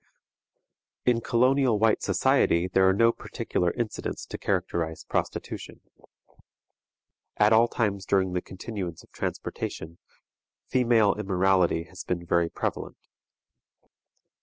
In colonial white society there are no particular incidents to characterize prostitution. At all times during the continuance of transportation, female immorality has been very prevalent.